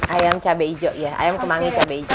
ayam cabai hijau ya ayam kemangi cabai hijau